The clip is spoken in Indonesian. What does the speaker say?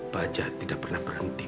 baja tidak pernah berhenti